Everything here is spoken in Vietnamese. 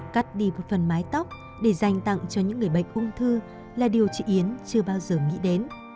cắt đi một phần mái tóc để dành tặng cho những người bệnh ung thư là điều chị yến chưa bao giờ nghĩ đến